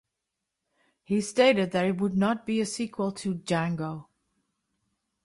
He stated that it would not be a sequel to "Django".